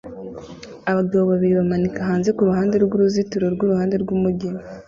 Abantu babiri bamanika hanze kuruhande rwuruzitiro rwuruhande rwumujyi